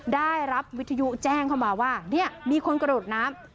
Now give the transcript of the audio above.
ได้รับวิทยุแจ้งเข้ามาว่าเนี่ยมีคนกระโดดน้ำ